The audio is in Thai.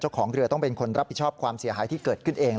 ของเรือต้องเป็นคนรับผิดชอบความเสียหายที่เกิดขึ้นเอง